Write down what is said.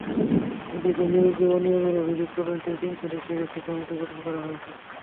এদিকে নিয়োগে অনিয়মের অভিযোগ তদন্তে তিন সদস্যের একটি কমিটি গঠন করা হয়েছে।